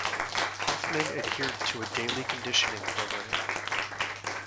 Hoffman adhered to a daily conditioning program.